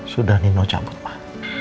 sudah nino cabut pak